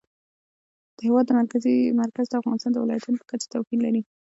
د هېواد مرکز د افغانستان د ولایاتو په کچه توپیر لري.